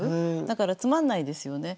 だからつまんないですよね。